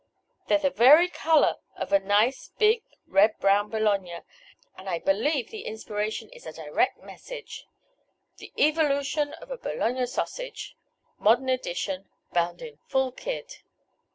"They're the very color of a nice, big, red brown bologna, and I believe the inspiration is a direct message. 'The Evolution of a Bologna Sausage,' modern edition, bound in full kid.